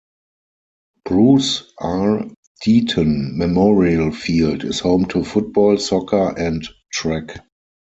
Bruce R. Deaton Memorial Field is home to football, soccer, and track.